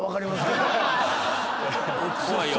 怖いよ。